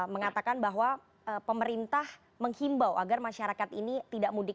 mengatakan bahwa pemerintah menghimbau agar masyarakat ini tidak mudik